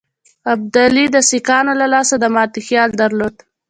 ابدالي د سیکهانو له لاسه د ماتي خیال درلود.